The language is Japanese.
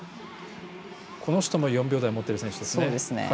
この人も４秒台を持っている選手。